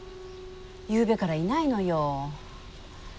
ゆうべからいないのよ。